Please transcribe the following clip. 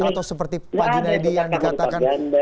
atau seperti pak junaidi yang dikatakan